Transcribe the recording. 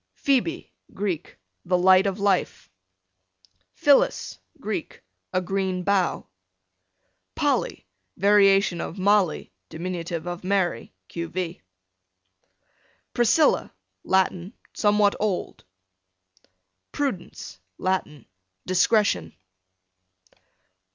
Phoebe, Greek, the light of life. Phyllis, Greek, a green bough. Polly, variation of Molly, dim. of Mary, q. v. Priscilla, Latin, somewhat old. Prudence, Latin, discretion.